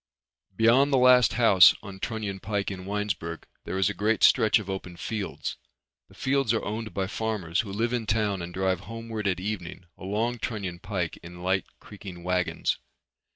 Beyond the last house on Trunion Pike in Winesburg there is a great stretch of open fields. The fields are owned by farmers who live in town and drive homeward at evening along Trunion Pike in light creaking wagons.